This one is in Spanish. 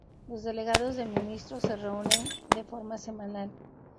Los Delegados de Ministros, se reúnen de forma semanal.